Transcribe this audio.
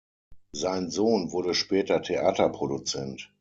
Sein Sohn wurde später Theaterproduzent.